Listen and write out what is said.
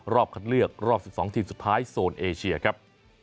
คัดเลือกรอบ๑๒ทีมสุดท้ายโซนเอเชียครับ